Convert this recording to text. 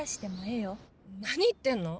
何言ってんの？